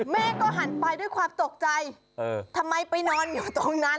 แม่ก็หันไปด้วยความตกใจทำไมไปนอนอยู่ตรงนั้น